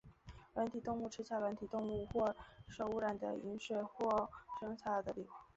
软体动物吃下软体动物或受污染的饮水或生菜而得病。